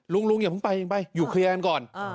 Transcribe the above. ลุงลุงอย่าเพิ่งไปอยู่เคลียร์กันก่อน